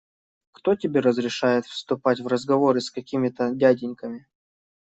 Кто тебе разрешает вступать в разговоры с какими-то дяденьками?